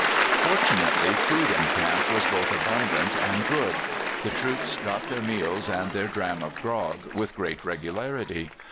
Fortunately, food in camp was both abundant and good; the troops got their meals and their dram of grog with great regularity.